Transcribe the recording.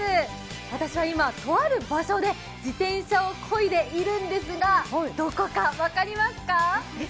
私は今、とある場所で自転車をこいでいるんですが、どこか分かりますか？